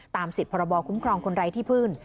ตามสิทธิ์พคุ้มครองคนไรที่พื้น